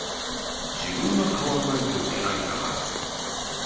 自分が変わらないといけないんだから。